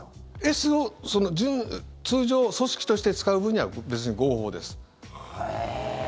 Ｓを通常、組織として使う分には別に、合法です。